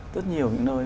rất nhiều những nơi